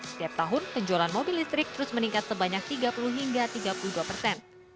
setiap tahun penjualan mobil listrik terus meningkat sebanyak tiga puluh hingga tiga puluh dua persen